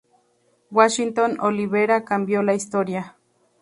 Washington Olivera cambio la historia.